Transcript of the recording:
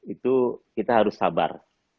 itu kita harus sabar